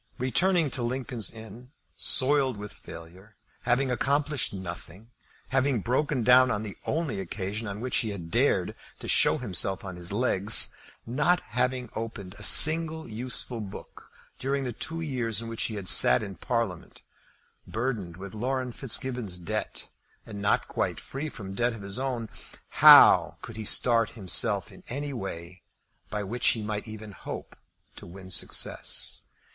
Returning to Lincoln's Inn soiled with failure, having accomplished nothing, having broken down on the only occasion on which he had dared to show himself on his legs, not having opened a single useful book during the two years in which he had sat in Parliament, burdened with Laurence Fitzgibbon's debt, and not quite free from debt of his own, how could he start himself in any way by which he might even hope to win success?